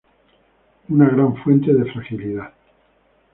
Una gran fuente de fragilidad".